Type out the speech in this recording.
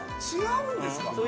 違うんですか。